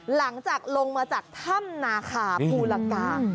หลังจากลงมาจากถ้ำนาคาภูลกา